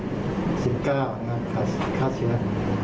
ได้ไปฉีดยาฆ่าเชื้อผ้ากันโควิด๑๙ค่ะ